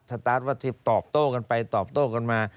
สตาร์ทวัดทิพย์ตอบโต้กันไปตอบโต้กันมา